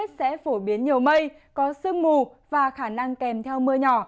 sẽ phổ biến nhiều mây có sương mù và khả năng kèm theo mưa nhỏ